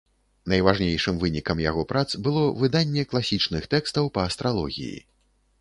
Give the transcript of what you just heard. Найважнейшым вынікам яго прац было выданне класічных тэкстаў па астралогіі.